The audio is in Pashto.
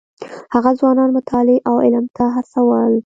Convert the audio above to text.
هغه ځوانان مطالعې او علم ته هڅول.